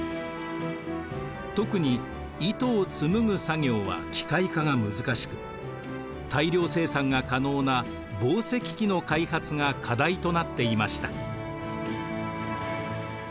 特に糸を紡ぐ作業は機械化が難しく大量生産が可能な紡績機の開発が課題となっていました。